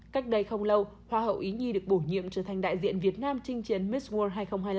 cách đây không lâu hoa hậu ý nhi được bổ nhiệm trở thành đại diện việt nam trình chiến miss world hai nghìn hai mươi năm